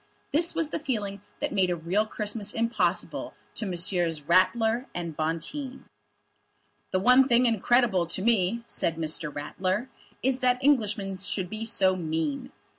This was the feeling that made a real Christmas impossible to Messrs. Ratler and Bonteen. "The one thing incredible to me," said Mr. Ratler, "is that Englishmen should be so mean."